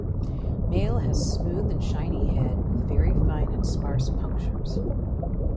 Male has smooth and shiny head with very fine and sparse punctures.